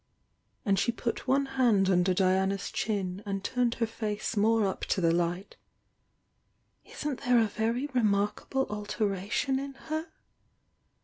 — and she put one hand un der Diana's chin and turned her face more up to ihe light — "Isn't there a very remarkable alteration in her?"